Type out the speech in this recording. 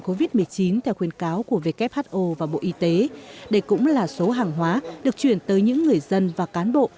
covid một mươi chín theo khuyến cáo của who và bộ y tế đây cũng là số hàng hóa được chuyển tới những người dân và cán bộ